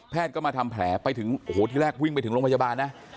ก็มาทำแผลไปถึงโอ้โหที่แรกวิ่งไปถึงโรงพยาบาลนะ